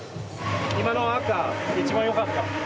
今のが一番よかった。